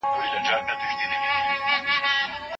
د ناکامۍ لامل بد عادتونه دي.